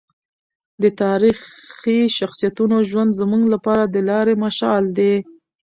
د تاریخي شخصیتونو ژوند زموږ لپاره د لارې مشال دی.